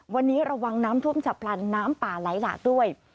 วันนี้ระวังน้ำท่วมฉับพลันน้ำป่าไหลหลากด้วย